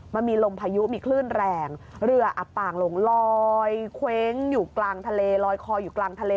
มันมีลมพายุมีคลื่นแรงเรืออับปางลงลอยเคว้งอยู่กลางทะเล